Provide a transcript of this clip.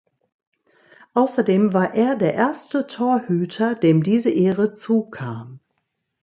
Außerdem war er der erste Torhüter, dem diese Ehre zu kam.